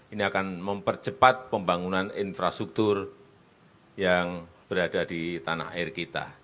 ini akan mempercepat pembangunan infrastruktur yang berada di tanah air kita